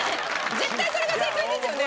絶対それが正解ですよね。